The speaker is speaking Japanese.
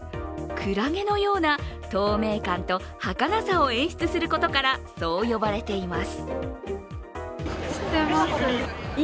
くらげのような透明感とはかなさを演出することからそう呼ばれています。